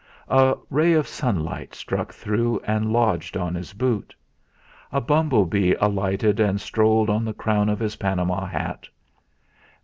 A ray of sunlight struck through and lodged on his boot. A bumble bee alighted and strolled on the crown of his Panama hat.